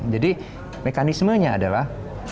jadi mekanismenya adalah